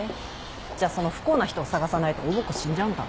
じゃあその不幸な人を探さないとおぼこ死んじゃうんだ。